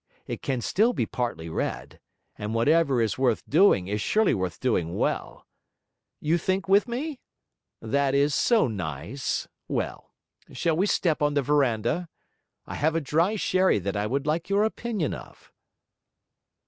It can still be partly read; and whatever is worth doing, is surely worth doing well. You think with me? That is so nice! Well, shall we step on the verandah? I have a dry sherry that I would like your opinion of.'